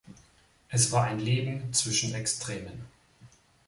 Es war ein Leben zwischen Extremen.